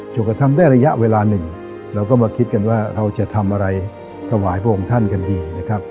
จนกระทั่งได้ระยะเวลาหนึ่งเราก็มาคิดกันว่าเราจะทำอะไรถวายพระองค์ท่านกันดีนะครับ